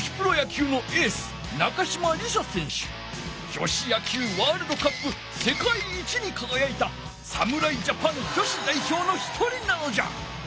女子野球ワールドカップせかい一にかがやいた侍ジャパン女子だいひょうの一人なのじゃ。